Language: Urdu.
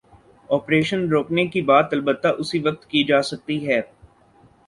آپریشن روکنے کی بات، البتہ اسی وقت کی جا سکتی ہے۔